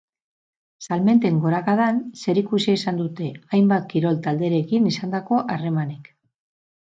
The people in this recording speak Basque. Salmenten gorakadan zerikusia izan dute hainbat kirol talderekin izandako harremanek.